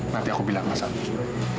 nanti aku bilang ke mas santi